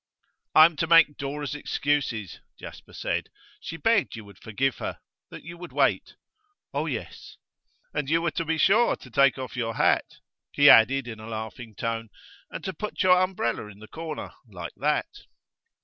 'I am to make Dora's excuses,' Jasper said. 'She begged you would forgive her that you would wait.' 'Oh yes.' 'And you were to be sure to take off your hat,' he added in a laughing tone; 'and to let me put your umbrella in the corner like that.